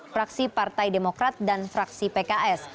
fraksi partai demokrat dan fraksi pks